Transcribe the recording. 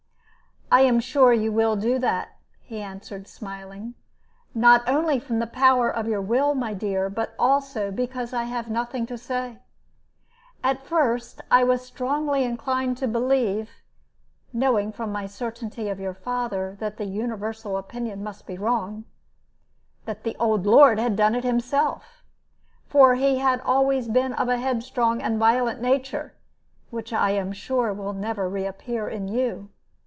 "I am sure you will do that," he answered, smiling, "not only from the power of your will, my dear, but also because I have nothing to say. At first I was strongly inclined to believe (knowing, from my certainty of your father, that the universal opinion must be wrong) that the old lord had done it himself; for he always had been of a headstrong and violent nature, which I am sure will never re appear in you.